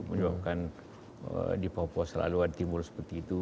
menyebabkan di papua selalu timbul seperti itu